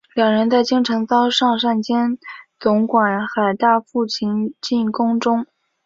两人在京城遭尚膳监总管海大富擒进宫中。